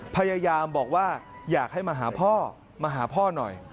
พยายามบอกว่าอยากให้มาหาพ่อมาหาพ่อหน่อย